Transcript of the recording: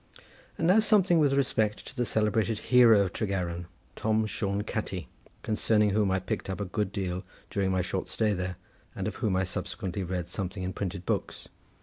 And now something with respect to the celebrated hero of Tregaron, Tom Shone Catti, concerning whom I picked up a good deal during my short stay there, and of whom I subsequently read something in printed books.